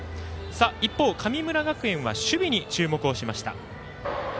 一方、神村学園は守備に注目をしました。